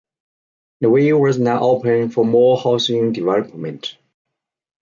The way was now open for more housing development.